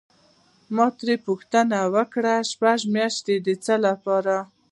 ما ترې پوښتنه وکړه: شپږ میاشتې د څه لپاره؟